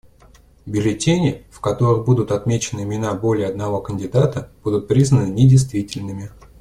Бюллетени, в которых будут отмечены имена более одного кандидата, будут признаны недействительными.